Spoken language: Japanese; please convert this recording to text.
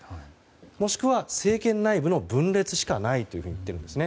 もしくは、政権内部の分裂しかないと言っているんです。